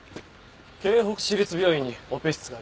京北市立病院にオペ室があります。